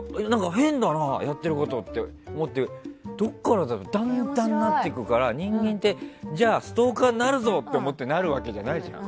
変だな、やってることと思ってどこからだろうって見ると段々変になっていくから人間って、じゃあストーカーになるぞと思ってなるわけじゃないじゃん。